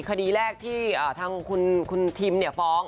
คดีแลกของคุณพิมที่ฟ้อง